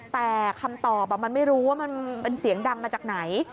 แต่คำตอบมันไม่รู้ว่ามันเป็นเสียงดังมาจากไหน